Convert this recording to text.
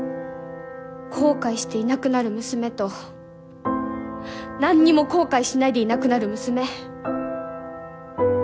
後悔していなくなる娘と何にも後悔しないでいなくなる娘。